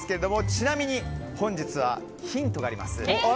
ちなみに本日はヒントがあります。